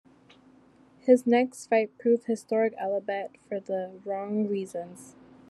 His next fight proved historic, albeit for the wrong reasons.